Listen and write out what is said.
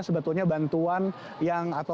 sebetulnya bantuan yang atau